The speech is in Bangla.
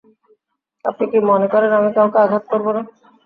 আপনি কি মনে করেন আমি কাউকে আঘাত করবো না?